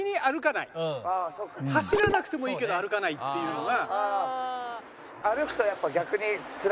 走らなくてもいいけど歩かないっていうのが。